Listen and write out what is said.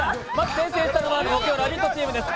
先制したのは木曜「ラヴィット！」チームです。